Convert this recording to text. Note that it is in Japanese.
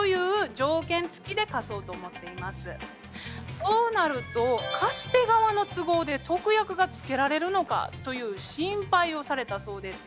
そうなると貸し手側の都合で特約がつけられるのかという心配をされたそうです。